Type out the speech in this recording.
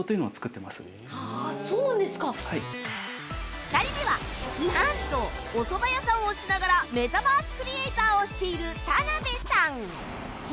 ２人目はなんとおそば屋さんをしながらメタバースクリエイターをしているタナベさん